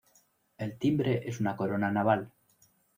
El timbre es una corona naval.